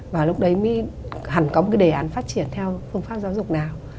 và lúc đấy mới hẳn có một cái đề án phát triển theo phương pháp giáo dục nào